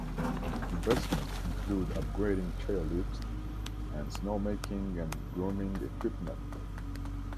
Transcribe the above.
Investments include upgrading chair lifts and snow-making and grooming equipment.